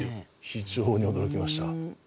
非常に驚きました。